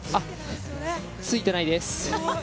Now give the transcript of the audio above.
ついてないです。